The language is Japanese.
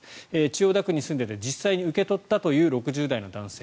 千代田区に住んでいて実際に受け取ったという６０代の男性。